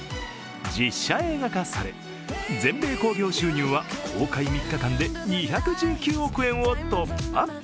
実写映画化され、全米興行収入は公開３日間で２１９億円を突破。